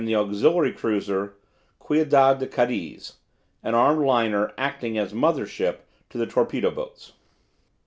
Auxiliary cruiser Ciudad de Cadiz (an armed liner acting as mother ship to the torpedo boats).